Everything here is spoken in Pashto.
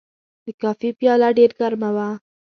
د کافي پیاله ډېر ګرمه وه.